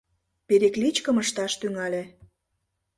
Перекличкым ышташ тӱҥале...